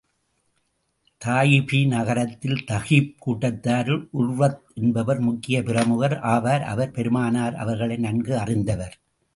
தாயிபு நக்ரத்தில் தகீப் கூட்டத்தாரில், உர்வத் என்பவர் முக்கியப் பிரமுகர் ஆவார். அவர் பெருமானார் அவர்களை நன்கு அறிந்தவர்.